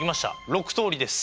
６通りです。